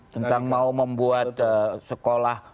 tentang mau membuat sekolah